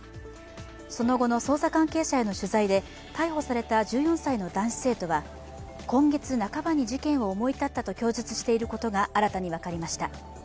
その後の捜査関係者への取材で逮捕された１４歳の男子生徒は今月半ばに事件を思い立ったと供述していることが新たに分かりました。